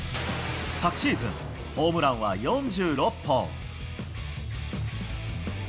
昨シーズン、ホームランは４６本。